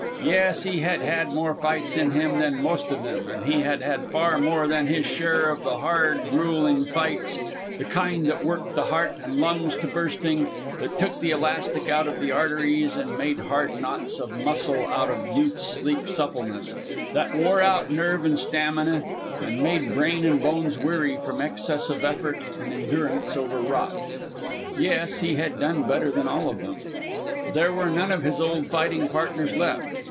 Yes, he had had more fights in him than most of them, and he had had far more than his share of the hard, gruelling fights the kind that worked the heart and lungs to bursting, that took the elastic out of the arteries and made hard knots of muscle out of Youth's sleek suppleness, that wore out nerve and stamina and made brain and bones weary from excess of effort and endurance overwrought. Yes, he had done better than all of them. There were none of his old fighting partners left.